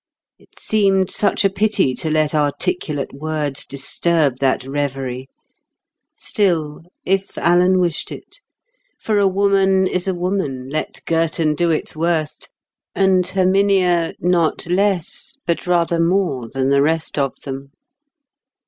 It seemed such a pity to let articulate words disturb that reverie. Still, if Alan wished it. For a woman is a woman, let Girton do its worst; and Herminia not less but rather more than the rest of them.